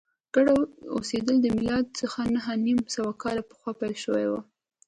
ګډ اوسېدل له میلاد څخه نهه نیم سوه کاله پخوا پیل شوي و